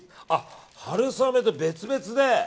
春雨が別々で。